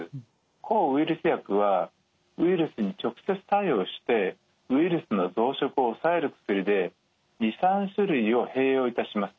抗ウイルス薬はウイルスに直接作用してウイルスの増殖を抑える薬で２３種類を併用いたします。